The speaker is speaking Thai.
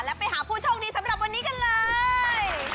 แล้วไปหาผู้โชคดีสำหรับวันนี้กันเลย